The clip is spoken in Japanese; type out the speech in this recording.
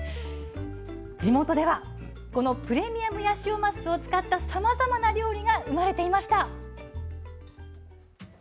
地元ではこのプレミアムヤシオマスを使ったさまざまな料理が生まれていました。